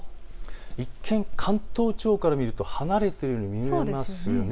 一見、関東地方から見ると離れているように見えますよね。